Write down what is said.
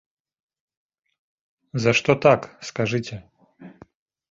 За што так, скажыце?